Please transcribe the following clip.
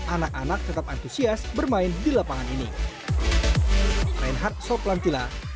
anak anak tetap antusias bermain di lapangan ini